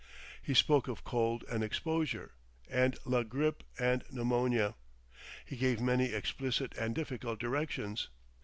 He spoke of cold and exposure, and la grippe and pneumonia. He gave many explicit and difficult directions....